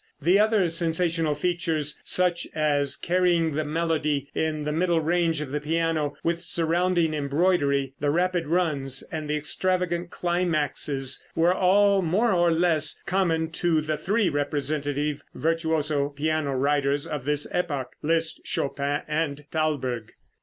The other sensational features, such as carrying the melody in the middle range of the piano with surrounding embroidery, the rapid runs and the extravagant climaxes, were all more or less common to the three representative virtuoso piano writers of this epoch Liszt, Chopin and Thalberg.